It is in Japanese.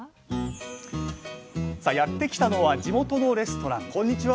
やって来たのは地元のレストランこんにちは。